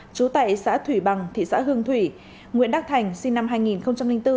trú tại xã thủy bằng thị xã hương thủy nguyễn đắc thành sinh năm hai nghìn bốn